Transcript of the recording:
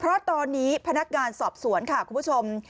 เพราะตอนนี้พนักงานสอบสวนค่ะคุณผู้ชม